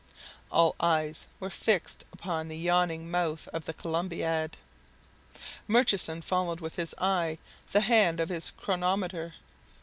All eyes were fixed upon the yawning mouth of the Columbiad. Murchison followed with his eye the hand of his chronometer.